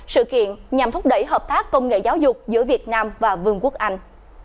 sự kiện nhằm thúc đẩy hợp tác công nghệ giáo dục giữa việt nam và vương quốc anh